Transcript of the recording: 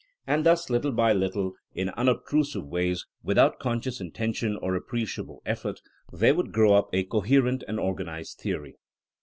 And thus, lit tle by little, in unobtrusive ways, without conscious intention or appreciable effort, there would grow up a coherent and organized theory.